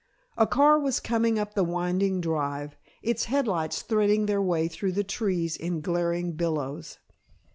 A car was coming up the winding drive, its headlights threading their way through the trees in glaring billows.